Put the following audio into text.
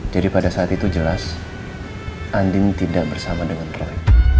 pada saat itu jelas andin tidak bersama dengan rakyat